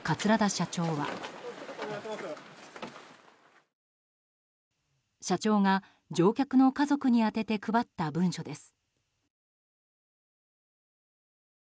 社長が乗客の家族に宛てて配った文書です。